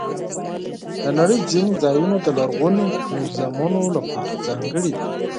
د نړۍ ځینې ځایونه د لرغوني میوزیمونو لپاره ځانګړي دي.